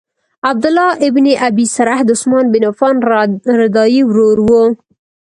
عبدالله بن ابی سرح د عثمان بن عفان رضاعی ورور وو.